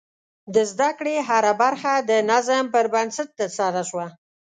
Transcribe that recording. د زده کړې هره برخه د نظم پر بنسټ ترسره شوه.